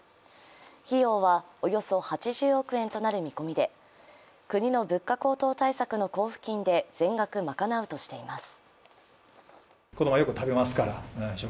費用はおよそ８０億円となる見込みで国の物価高騰対策の交付金で全額賄うとしています。